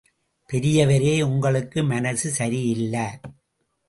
பெரியவரே உங்களுக்கு மனசு சரியில்ல.